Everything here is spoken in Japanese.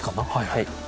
はい。